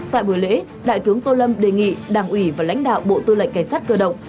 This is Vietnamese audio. tại buổi lễ đại tướng tô lâm đề nghị đảng ủy và lãnh đạo bộ tư lệnh cảnh sát cơ động